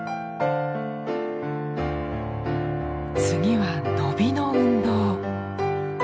次は伸びの運動。